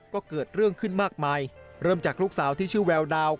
ก็เกิดเรื่องขึ้นมากมายเริ่มจากลูกสาวที่ชื่อแววดาว